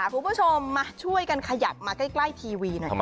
คุณผู้ชมมาช่วยกันขยับมาใกล้ทีวีหน่อย